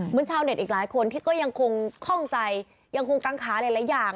ชาวเน็ตอีกหลายคนที่ก็ยังคงข้องใจยังคงกังขาหลายอย่าง